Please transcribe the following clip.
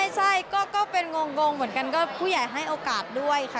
ใช่ก็เป็นงงเหมือนกันก็ผู้ใหญ่ให้โอกาสด้วยค่ะ